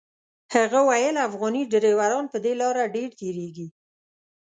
هغه ویل افغاني ډریوران په دې لاره ډېر تېرېږي.